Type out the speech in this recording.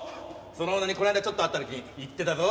その小野にこの間ちょっと会った時に言ってたぞ。